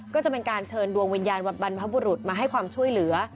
ก็จะเป็นการเชิญดวงวิญญาณบรรพบุรุษมาให้ความช่วยเหลือ